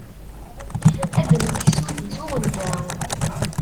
Ad d-nekkes udi s uɣenǧa.